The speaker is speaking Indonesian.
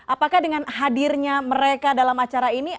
apakah dengan hadirnya mereka dalam acara ini